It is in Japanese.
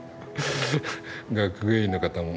学芸員の方も。